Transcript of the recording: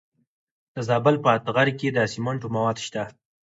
د زابل په اتغر کې د سمنټو مواد شته.